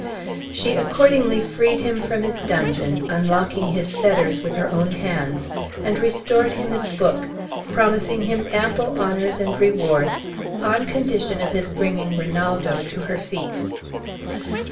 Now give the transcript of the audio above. She accordingly freed him from his dungeon, unlocking his fetters with her own hands, and restored him his book, promising him ample honors and rewards on condition of his bringing Rinaldo to her feet.